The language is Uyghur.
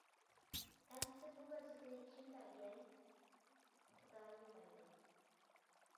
-ئەمىسە بۇ ۋەزىپىنى كىم بەرگەن؟ -خۇدايىم بەرگەن.